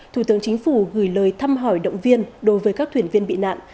thủ tướng chính phủ gửi lời thăm hỏi động viên đối với các thuyền viên bị nạn